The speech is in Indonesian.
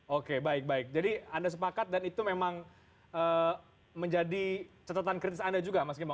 oke baik baik jadi anda sepakat dan itu memang menjadi catatan kritis anda juga mas gembong